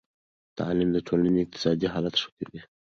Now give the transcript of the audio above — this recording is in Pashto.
تعلیم د ټولنې اقتصادي حالت ښه کوي.